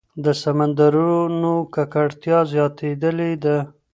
د سمندرونو ککړتیا زیاتېدلې ده.